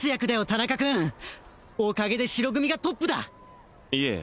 田中君おかげで白組がトップだいえ